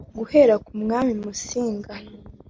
guhera ku mwami Musinga